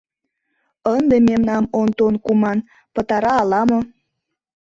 Ынде мемнам Онтон куман пытара ала-мо...